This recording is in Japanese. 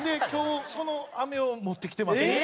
今日そのアメを持ってきてます。